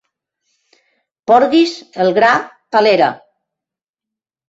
Porguis el gra a l'era.